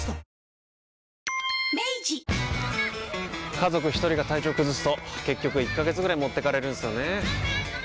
家族一人が体調崩すと結局１ヶ月ぐらい持ってかれるんすよねー。